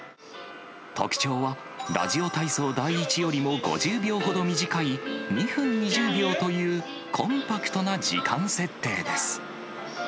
特徴は、ラジオ体操第一よりも５０秒ほど短い、２分２０秒というコンパクトな時間設定です。